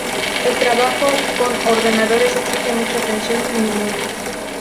El trabajo con ordenadores exige mucha atención y memoria.